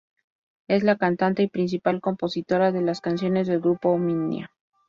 Es la cantante y principal compositora de las canciones del grupo Omnia.